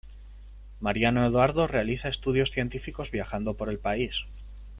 Mariano Eduardo realiza estudios científicos viajando por el país.